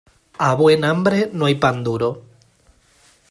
A buen hambre no hay pan duro.